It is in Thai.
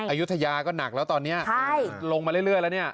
อายุทยาก็หนักแล้วตอนนี้ลงมาเรื่อยแล้วเนี่ย